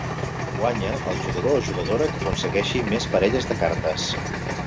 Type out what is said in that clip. Guanya el jugador o jugadora que aconsegueixi més parelles de cartes.